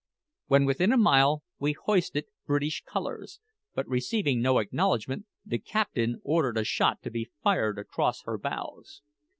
When within a mile we hoisted British colours, but receiving no acknowledgment, the captain ordered a shot to be fired across her bows.